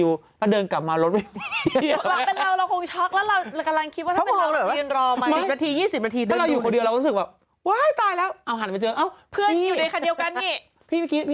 แล้วเดินกลับมารถแบบนี้